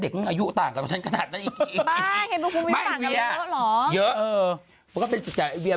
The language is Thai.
เพราะเป็นสินค้าของเวีย